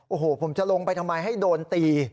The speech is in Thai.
โอ้โหผมจะลงไปทำไมให้โดนตี